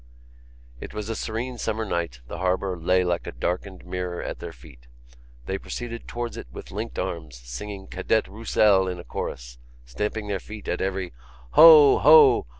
It was a serene summer night; the harbour lay like a darkened mirror at their feet. They proceeded towards it with linked arms, singing Cadet Roussel in chorus, stamping their feet at every: _"Ho! Ho!